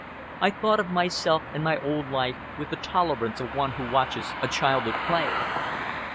I thought of myself and my old life with the tolerance of one who watches a child at play.